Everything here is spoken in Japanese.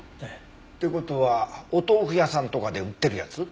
という事はお豆腐屋さんとかで売ってるやつ？